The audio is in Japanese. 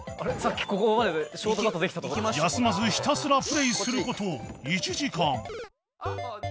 休まずひたすらプレイする事１時間